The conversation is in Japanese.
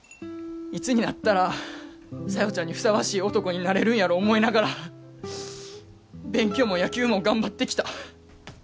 いつになったら小夜ちゃんにふさわしい男になれるんやろ思いながら勉強も野球も頑張ってきた。